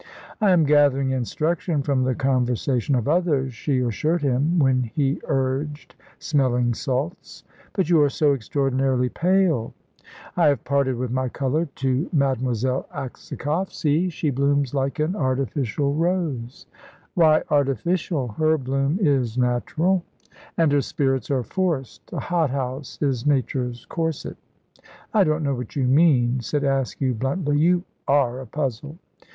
"I am gathering instruction from the conversation of others," she assured him, when he urged smelling salts. "But you are so extraordinarily pale." "I have parted with my colour to Mademoiselle Aksakoff. See, she blooms like an artificial rose." "Why artificial? Her bloom is natural." "And her spirits are forced. A hothouse is Nature's corset." "I don't know what you mean," said Askew, bluntly; "you are a puzzle."